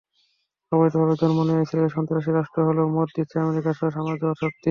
অবৈধভাবে জন্ম নেওয়া ইসরায়েল সন্ত্রাসী রাষ্ট্র হলেও মদদ দিচ্ছে আমেরিকাসহ সাম্রাজ্যবাদ শক্তি।